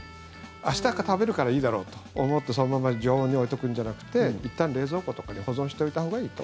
明日食べるからいいだろうと思ってそのまま常温で置いておくんじゃなくていったん冷蔵庫とかに保存しておいたほうがいいと。